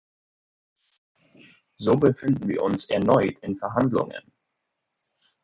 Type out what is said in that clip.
So befinden wir uns erneut in Verhandlungen.